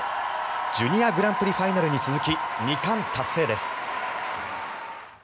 ジュニアグランプリファイナルに続き２冠達成です。